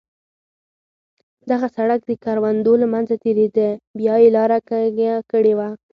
دغه سړک د کروندو له منځه تېرېده، بیا یې لاره کږه کړې وه.